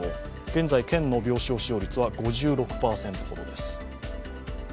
現在、県の病床の使用率は５６％ほどです。